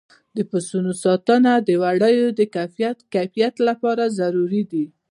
د پسونو ساتنه د وړیو د کیفیت لپاره ضروري ده.